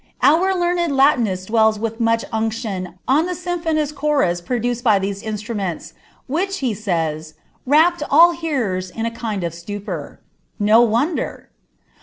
Our learned Lalinist dwells with much unction on tlie sja phonous chorus produced by these instrumenls, which, he says, wi^ idl hearers in a kind of stupor." No wonder